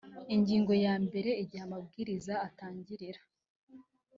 ingingo ya mbere igihe amabwiriza atangirira